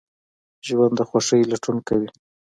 ژوندي د خوښۍ لټون کوي